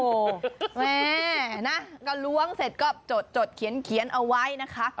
แม่นะก็ล้วงเสร็จก็จดเขียนเอาไว้นะคะ